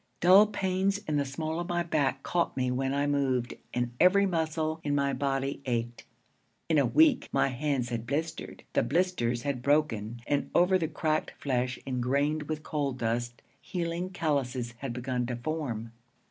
Dull pains in the small of my back caught me when I moved, and every muscle in my body ached. (In a week my hands had blistered, the blisters had broken, and over the cracked flesh ingrained with coal dust healing callouses had begun to form.)